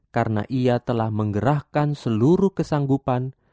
karena ia telah mengerahkan seluruh kesanggupan